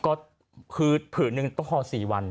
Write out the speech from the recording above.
ก็คือผืนหนึ่งต้องคอ๔วัน